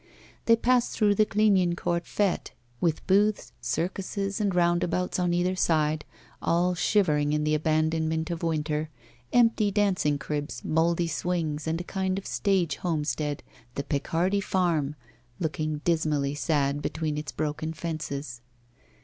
They passed through the Clignancourt fête, with booths, circuses, and roundabouts on either side, all shivering in the abandonment of winter, empty dancing cribs, mouldy swings, and a kind of stage homestead, 'The Picardy Farm,' looking dismally sad between its broken fences.